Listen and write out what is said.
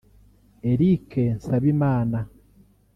Eric Nsabimana